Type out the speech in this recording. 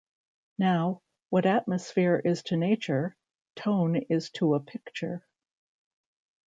Now, what atmosphere is to Nature, tone is to a picture.